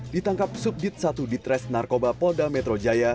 ditangkap subdit satu di tras narkoba paul demetrojoe